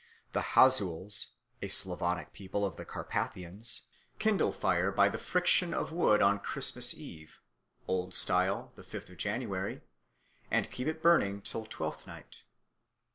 The Huzuls, a Slavonic people of the Carpathians, kindle fire by the friction of wood on Christmas Eve (Old Style, the fifth of January) and keep it burning till Twelfth Night.